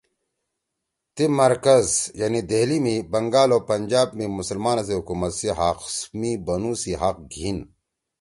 تی مرکز )دہلی( می بنگال او پنجاب می مسلمانا سی حکومت سی حق می بنُو سی حق گھیِن